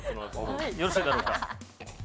よろしいだろうか。